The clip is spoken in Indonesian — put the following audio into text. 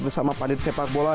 bersama padat sepak bola